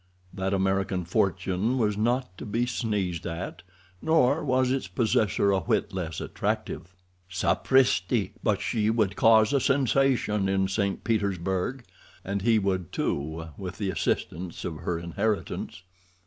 That American fortune was not to be sneezed at, nor was its possessor a whit less attractive. "Sapristi! but she would cause a sensation in St. Petersburg." And he would, too, with the assistance of her inheritance.